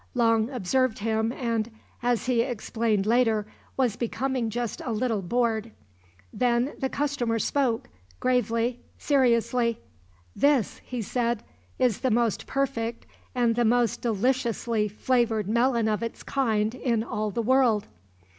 Long observed him and, as he explained later, was becoming just a little bored. Then the customer spoke, gravely, seriously: "This," he said, "is the most perfect and the most deliciously flavored melon of its kind in all the world."